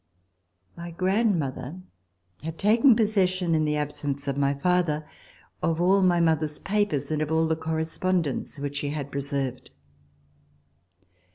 My grand mother had taken possession, in the absence of my father, of all of my mother's papers, and of all of the correspondence which she had preserved.